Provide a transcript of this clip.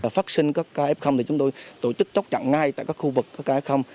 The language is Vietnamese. phát sinh các ca f thì chúng tôi tổ chức chốc chặn ngay tại các khu vực các ca f